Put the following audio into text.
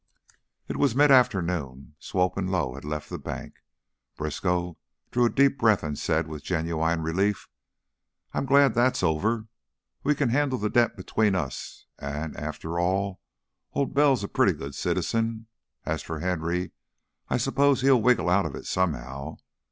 It was midafternoon. Swope and Lowe had left the bank. Briskow drew a deep breath and said, with genuine relief: "I'm glad that's over. We can handle the debt between us, an', after all, Old Bell's a pretty good citizen. As for Henry, I s'pose he'll wiggle out of it, somehow.